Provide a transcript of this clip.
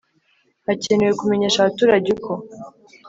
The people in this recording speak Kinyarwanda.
Hakenewe kumenyesha abaturage uko